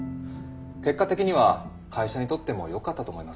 結果的には会社にとってもよかったと思います。